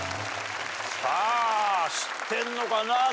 さあ知ってんのかな？